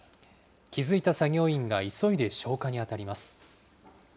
気付いた作業員が急いで消火に当たります。